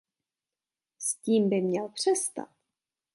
S tím by měl přestat.